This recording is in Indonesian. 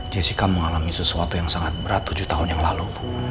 jessica mengalami sesuatu yang sangat berat tujuh tahun yang lalu